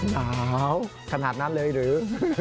หนาวขนาดนั้นเลยหรือ